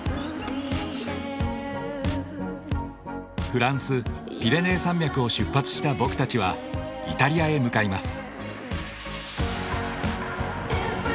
フランスピレネー山脈を出発した僕たちはイタリアへ向かいます。